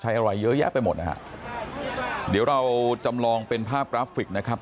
อะไรเยอะแยะไปหมดนะฮะเดี๋ยวเราจำลองเป็นภาพกราฟิกนะครับ